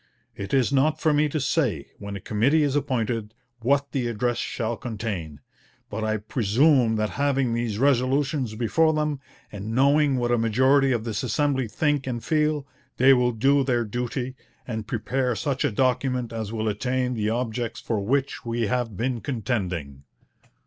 ... It is not for me to say, when a committee is appointed, what the address shall contain; but I presume that having these resolutions before them, and knowing what a majority of this Assembly think and feel, they will do their duty, and prepare such a document as will attain the objects for which we have been contending.'